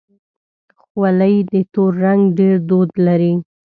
خولۍ د تور رنګ ډېر دود لري.